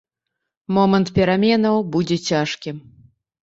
Момант пераменаў будзе цяжкім.